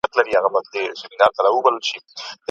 دوی پخپله هم یو بل سره وژله